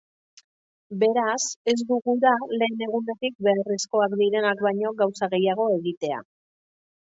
Beraz, ez du gura lehen egunetik beharrezkoak direnak baino gauza gehiago egitea.